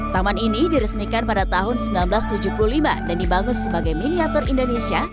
taman ini diresmikan pada tahun seribu sembilan ratus tujuh puluh lima dan dibangun sebagai miniatur indonesia